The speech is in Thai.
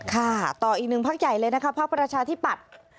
ค่ะต่ออีกหนึ่งพักใหญ่เลยนะคะพระพระชาติที่ปัด